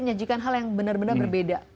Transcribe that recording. menyajikan hal yang benar benar berbeda